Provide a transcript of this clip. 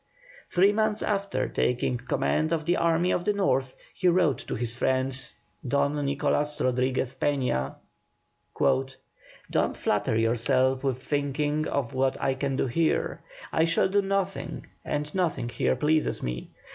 Three months after taking command of the Army of the North, he wrote to his friend, Don Nicolas Rodriguez Peña: "Don't flatter yourself with thinking of what I can do here. I shall do nothing, and nothing here pleases me.